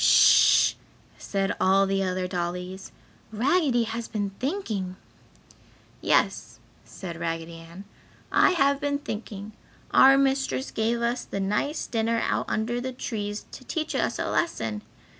"Sh!" said all the other dollies, "Raggedy has been thinking!" "Yes," said Raggedy Ann, "I have been thinking; our mistress gave us the nice dinner out under the trees to teach us a lesson.